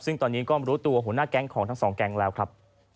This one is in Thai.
ซึ่งตอนนี้ก็รู้ตัวหัวหน้าแก๊งของทั้งสองแก๊งแล้วครับ